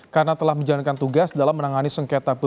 karena telah menjalankan tugas dalam menangani perusahaan